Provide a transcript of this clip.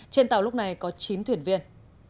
trên tàu lúc này có chín thuyền viên